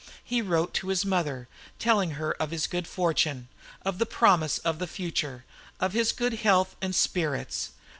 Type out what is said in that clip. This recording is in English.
He wrote to his mother, telling her of his good fortune, of the promise of the future, of his good health and spirits.